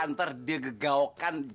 ntar dia gegaukan